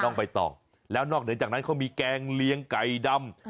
นอกเหนือจากนั้นเขามีแกงเลียงไก่ดำ